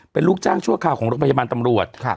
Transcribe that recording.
เป็นลูกจ้างชั่วคราวของโรงพยาบาลตำรวจ